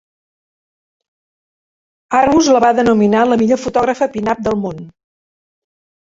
Arbus la va denominar la millor fotògrafa pin-up del món.